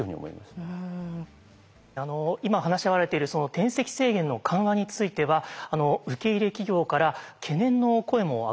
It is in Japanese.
今話し合われているその転籍制限の緩和については受け入れ企業から懸念の声も上がっているんです。